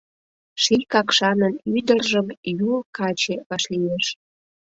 Ший Какшанын ӱдыржым Юл каче вашлиеш.